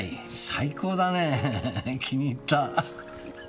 最高だね気に入った。